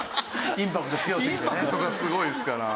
インパクトがすごいですから。